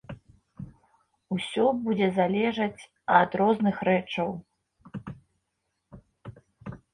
Усё будзе залежаць ад розных рэчаў.